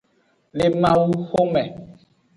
Le mawu xome.